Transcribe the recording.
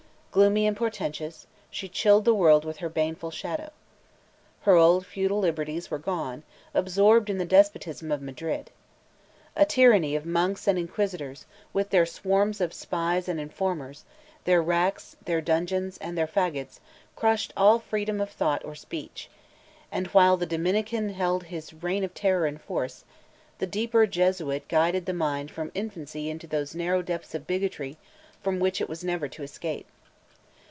Gloomy and portentous, she chilled the world with her baneful shadow. Her old feudal liberties were gone, absorbed in the despotism of Madrid. A tyranny of monks and inquisitors, with their swarms of spies and informers, their racks, their dungeons, and their fagots, crushed all freedom of thought or speech; and, while the Dominican held his reign of terror and force, the deeper Jesuit guided the mind from infancy into those narrow depths of bigotry from which it was never to escape.